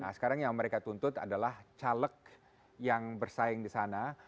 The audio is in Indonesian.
nah sekarang yang mereka tuntut adalah caleg yang bersaing di sana